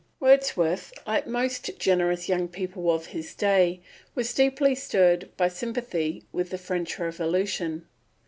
Wordsworth, like most generous young people of his day, was deeply stirred by sympathy with the French Revolution.